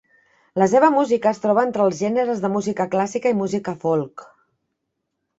La seva música es troba entre els gèneres de música clàssica i música folk.